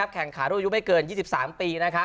แข่งขาดอื่นอยู่ไม่เกิน๒๓ปี